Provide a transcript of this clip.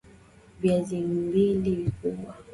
Viazi mbili vikubwa